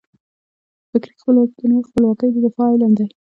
فکري خپلواکي د نورو خپلواکیو د دفاع علم دی.